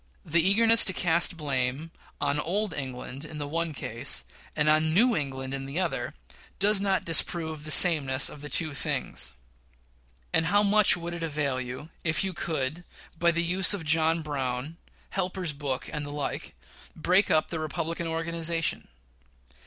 The eagerness to cast blame on old England in the one case, and on New England in the other, does not disprove the sameness of the two things. And how much would it avail you, if you could, by the use of John Brown, Helper's Book, and the like, break up the Republican organization?